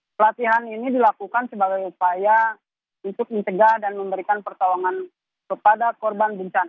pelatihan ini dilakukan sebagai upaya untuk mencegah dan memberikan pertolongan kepada korban bencana